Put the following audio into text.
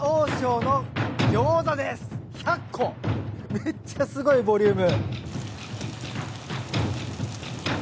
めっちゃすごいボリューム。